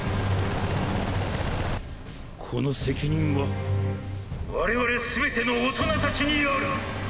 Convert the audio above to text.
この責任は我々すべての大人たちにある。